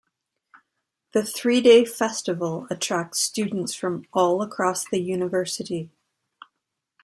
The three-day festival attracts students from all across the university.